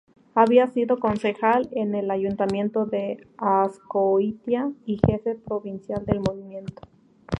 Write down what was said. Había sido concejal en el ayuntamiento de Azcoitia y Jefe Provincial del Movimiento.